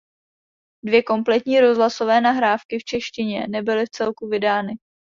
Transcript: Dvě kompletní rozhlasové nahrávky v češtině nebyly vcelku vydány.